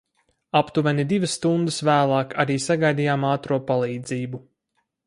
Aptuveni divas stundas vēlāk arī sagaidījām ātro palīdzību.